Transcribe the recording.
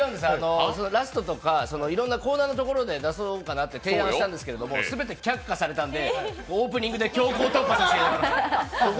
ラストとか、いろんなコーナーのところで出そうかなと提案したんですけど全て却下されたんで、オープニングで強行突破させていただきました。